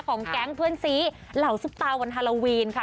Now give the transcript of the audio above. ของแก๊งเพื่อนสีเหล่าสุปัววันฮะลาวีนค่ะ